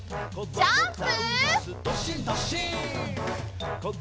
ジャンプ！